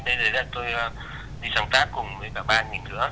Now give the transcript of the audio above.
thế đấy là tôi đi sáng tác cùng với cả ba người nữa